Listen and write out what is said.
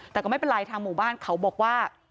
แต่ก็ไม่เป็นไรทางหมู่บ้านเขาบอกว่า